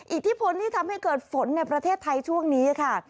อิทธิพลที่ทำให้เกิดฝนในประเทศไทยช่วงนี้ค่ะ